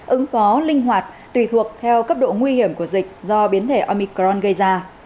ứng phó linh hoạt tùy thuộc theo cấp độ nguy hiểm của dịch do biến thể omicron gây ra